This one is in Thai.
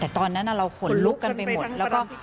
แต่ตอนนั้นนั้นเราขนลุกกันไปหมด